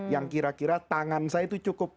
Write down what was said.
yang kira kira tangan saya itu cukup